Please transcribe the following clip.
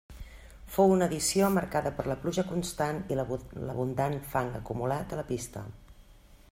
Fou una edició marcada per la pluja constant i l'abundant fang acumulat a la pista.